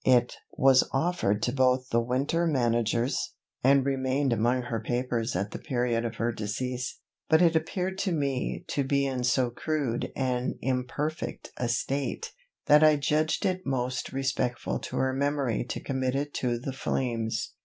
It was offered to both the winter managers, and remained among her papers at the period of her decease; but it appeared to me to be in so crude and imperfect a state, that I judged it most respectful to her memory to commit it to the flames.